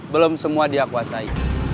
belum semua dia kuasai